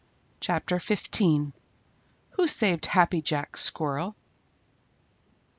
CHAPTER XV WHO SAVED HAPPY JACK SQUIRREL?